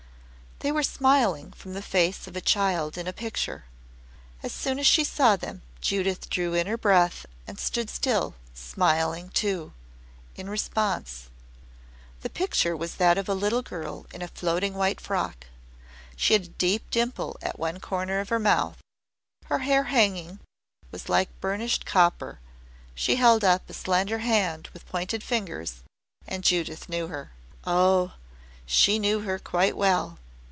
They were smiling from the face of a child in a picture. As soon as she saw them Judith drew in her breath and stood still, smiling, too, in response. The picture was that of a little girl in a floating white frock. She had a deep dimple at one corner of her mouth, her hanging hair was like burnished copper, she held up a slender hand with pointed fingers and Judith knew her. Oh! she knew her quite well.